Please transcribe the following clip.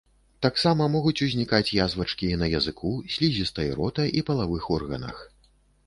Таксама могуць узнікаць язвачкі на языку, слізістай рота і палавых органах.